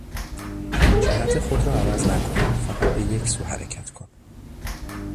جهت خود را عوض نکن، فقط به یک سو حرکت کن.